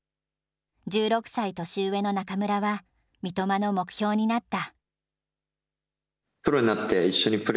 １６歳年上の中村は三笘の目標になった。